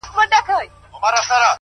ور شریک یې په زګېروي په اندېښنې سو،